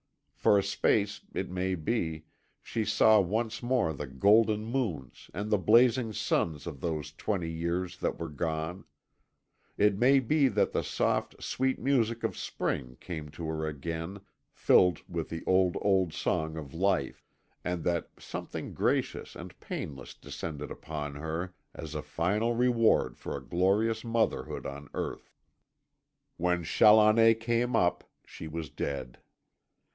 For a space, it may be, she saw once more the golden moons and the blazing suns of those twenty years that were gone; it may be that the soft, sweet music of spring came to her again, filled with the old, old song of life, and that Something gracious and painless descended upon her as a final reward for a glorious motherhood on earth. When Challoner came up she was dead.